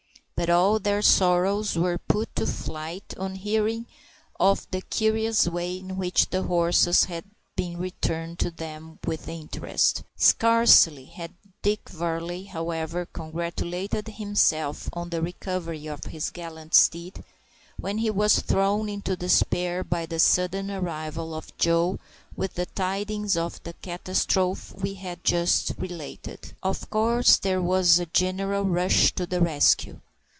But all their sorrows were put to flight on hearing of the curious way in which the horses had been returned to them with interest. Scarcely had Dick Varley, however, congratulated himself on the recovery of his gallant steed, when he was thrown into despair by the sudden arrival of Joe with the tidings of the catastrophe we have just related. Of course there was a general rush to the rescue.